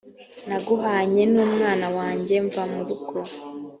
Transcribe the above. nahunganye n umwana wanjye mva mu rugo